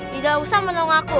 tidak usah menolong aku